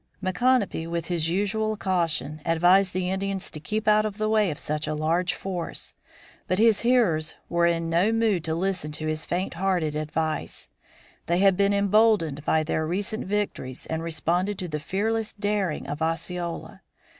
Micanopy, with his usual caution, advised the Indians to keep out of the way of such a large force. But his hearers were in no mood to listen to his faint hearted advice; they had been emboldened by their recent victories and responded to the fearless daring of Osceola.